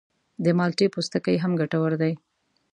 د مالټې پوستکی هم ګټور دی.